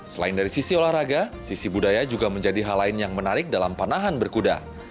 selain dari sisi olahraga sisi budaya juga menjadi hal lain yang menarik dalam panahan berkuda